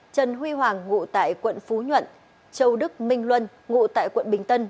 trần huy hoàng ngụ tại quận phú nhuận châu đức minh luân ngụ tại quận bình tân